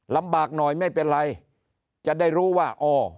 ลำบากหน่อยไม่เป็นไรจะได้รู้ว่าอ๋อ